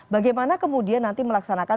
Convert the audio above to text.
bagaimana kemudian nanti melaksanakan